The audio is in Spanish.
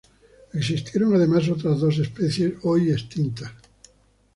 Existieron además otras dos especies hoy extintas.